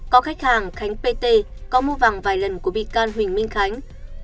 có khách hàng khánh pt có mua vàng vài lần của bị can huỳnh minh khánh